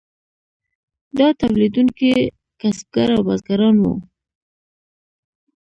دا تولیدونکي کسبګر او بزګران وو.